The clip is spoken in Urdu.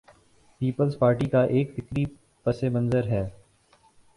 پیپلزپارٹی کا ایک فکری پس منظر ہے۔